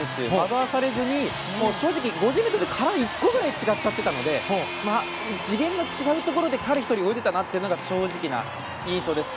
惑わされずに正直、５０ｍでターン１個ぐらい違っていたので次元の違うところで彼１人泳いでいたなというのが正直な印象です。